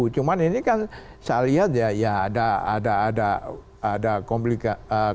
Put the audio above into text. cuma ini kan saya lihat ya ada komplikasi